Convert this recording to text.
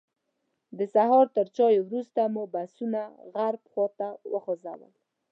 د سهار تر چایو وروسته مو بسونه غرب خواته وخوځېدل.